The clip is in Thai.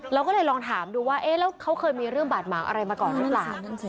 เราก็เลยลองถามดูว่าเอ๊ะแล้วเขาเคยมีเรื่องบาดหมางอะไรมาก่อนหรือเปล่า